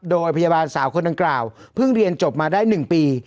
โดยพยาบาลสาวคนดังกล่าวเพิ่งเรียนจบมาได้๑ปี